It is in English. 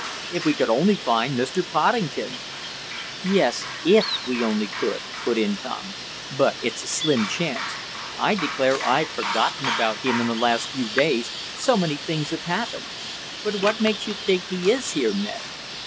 If we could only find Mr. Poddington!" "Yes, IF we only could," put in Tom. "But it's a slim chance. I declare I've forgotten about him in the last few days, so many things have happened. But what makes you think he is here, Ned?"